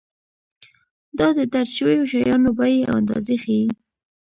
دا د درج شویو شیانو بیې او اندازې ښيي.